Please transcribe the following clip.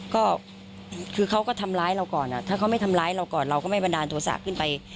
ก็คือเขาก็ทำร้ายเราก่อนถ้าเขาไม่ทำร้ายเราก่อนเราก็ไม่บันดาลโทษะขึ้นไป